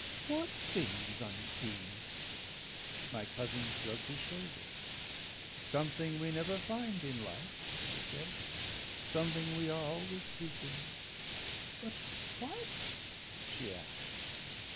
"What things unseen?" My cousin shrugged his shoulders. "Something we never find in life," he said. "Something we are always seeking." "But what?" she asked.